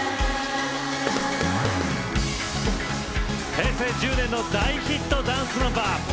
平成１０年の大ヒットダンスナンバー。